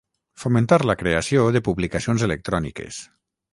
Fomentar la creació de publicacions electròniques.